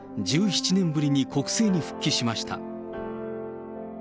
１７年ぶりに国政に復帰しました。